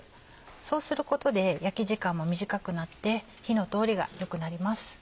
そうすることで焼き時間も短くなって火の通りが良くなります。